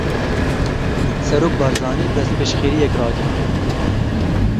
Serok Barzanî destpêşxeriyek ragihand.